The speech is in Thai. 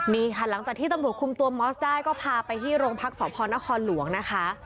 นี่ค่ะหลังจากที่ตำรวจคุมตัวมอสได้ก็พาไปที่โรงพักษพนครหลวงนะคะ